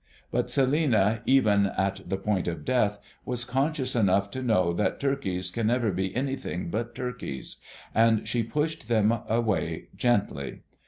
But Celinina, even at the point of death, was conscious enough to know that turkeys can never be anything but turkeys; and she pushed them away gently.